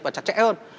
và chặt chẽ hơn